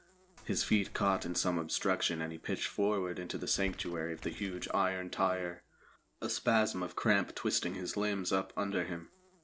His feet caught in some obstruction and he pitched forward into the sanctuary of the huge iron tyre a spasm of cramp twisting his limbs up under him.